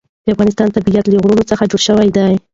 د افغانستان طبیعت له غرونه څخه جوړ شوی دی.